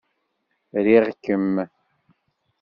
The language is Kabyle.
Riɣ-kem!